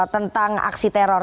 tentang aksi teror